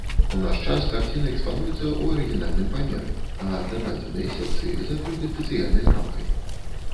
У наш час карціна экспануецца ў арыгінальным памеры, а дададзеныя секцыі закрыты спецыяльнай рамкай.